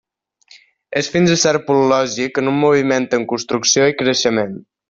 És fins a cert punt lògic en un moviment en construcció i creixement.